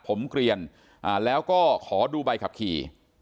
ผมเกลียนแล้วก็ขอดูใบขับขี่